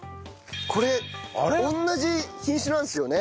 これ同じ品種なんですよね？